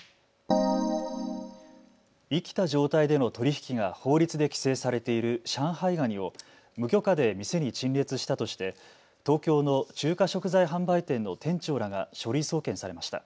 生きた状態での取り引きが法律で規制されている上海ガニを無許可で店に陳列したとして東京の中華食材販売店の店長らが書類送検されました。